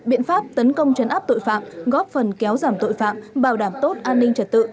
biện pháp tấn công chấn áp tội phạm góp phần kéo giảm tội phạm bảo đảm tốt an ninh trật tự